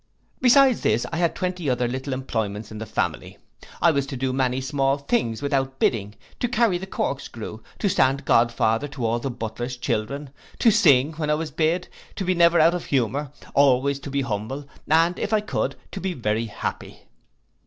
Beside this, I had twenty other little employments in the family. I was to do many small things without bidding; to carry the cork screw; to stand godfather to all the butler's children; to sing when I was bid; to be never out of humour; always to be humble, and, if I could, to be very happy.